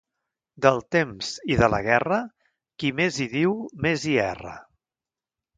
Del temps i de la guerra, qui més hi diu, més hi erra.